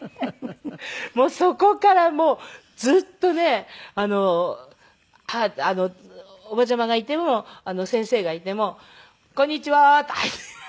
もうそこからもうずっとねあのおばちゃまがいても先生がいても「こんにちは」って入って。